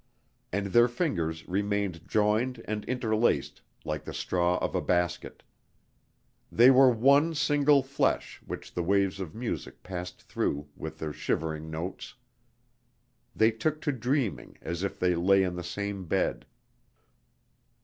And their fingers remained joined and interlaced like the straw of a basket. They were one single flesh which the waves of music passed through with their shivering notes. They took to dreaming, as if they lay in the same bed.